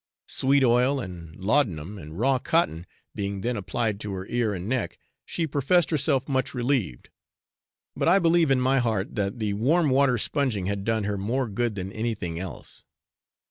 Sweet oil and laudanum, and raw cotton, being then applied to her ear and neck, she professed herself much relieved, but I believe in my heart that the warm water sponging had done her more good than anything else.